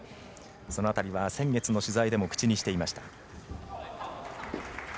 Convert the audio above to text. その辺りは先月の取材でも口にしていました。